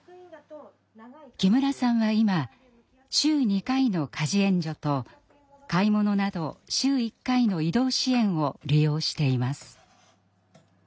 木村さんは今週２回の家事援助と買い物など週１回の移動支援を利用しています。